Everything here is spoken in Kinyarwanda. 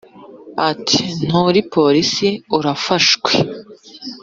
ati"turi police urafashwe